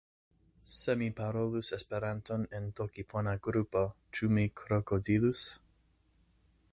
Se mi parolus Esperanton en tokipona grupo, ĉu mi krokodilus?